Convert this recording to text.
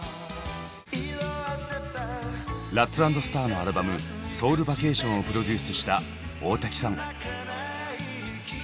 ラッツ＆スターのアルバム「ＳＯＵＬＶＡＣＡＴＩＯＮ」をプロデュースした大滝さん。